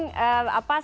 apa yang kamu inginkan